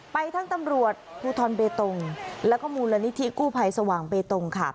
ไปทั้งตำรวจภูทรเบตงแล้วก็มูลนิธิกู้ภัยสว่างเบตงค่ะ